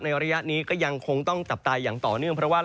ในอริยะนี้ก็ยังคงต้องจับตายอย่างต่อเนื่อง